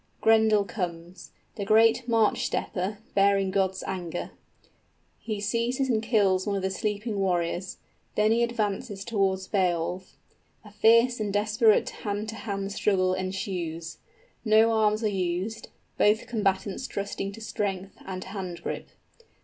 _ _Grendel comes, the great march stepper, bearing God's anger. He seizes and kills one of the sleeping warriors. Then he advances towards Beowulf. A fierce and desperate hand to hand struggle ensues. No arms are used, both combatants trusting to strength and hand grip.